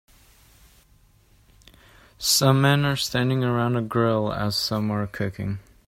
Some men are standing around a grill as some are cooking.